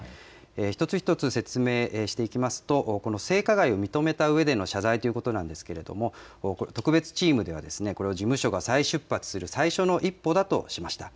一つ一つ説明していきますと、この性加害を認めたうえでの謝罪ということなんですけれども、特別チームでは、これは事務所が再出発する最初の一歩だとしました。